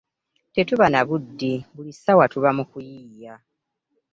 Tetuba na budde buli ssawa tuba mu kuyiiya.